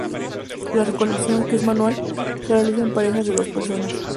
La recolección, que es manual, se realiza en parejas de dos personas.